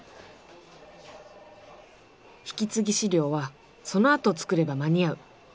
引継ぎ資料はそのあと作れば間に合う。